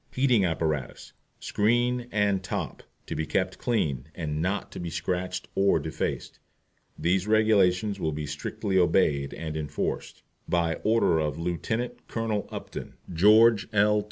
HEATING APPARATUS, SCREEN AND TOP. To be kept clean, and not to be scratched or defaced. These Regulations will be strictly obeyed and enforced. By order of LIEUT. COLONEL UPTON, GEORGE L.